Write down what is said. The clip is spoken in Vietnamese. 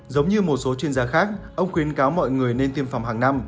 giống như một số chuyên gia khác ông khuyến cáo mọi người nên tiêm phẩm hàng năm